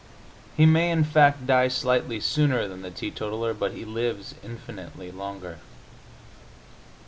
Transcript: He may, in fact, die slightly sooner than the teetotaler, but he lives infinitely longer.